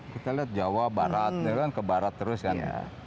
kita lihat jawa barat ke barat terus kan